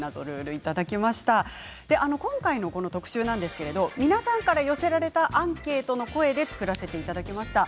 今回の特集ですが皆さんから寄せられたアンケートの声で作らせていただきました。